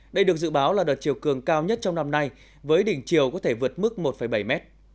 đây được dự báo là đợt chiều cường cao nhất trong năm nay với đỉnh chiều có thể vượt mức một bảy m